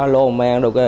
lô mang đồ kia